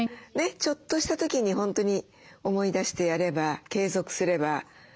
ちょっとした時に本当に思い出してやれば継続すれば。